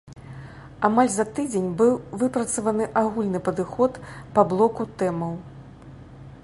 Амаль за тыдзень быў выпрацаваны агульны падыход па блоку тэмаў.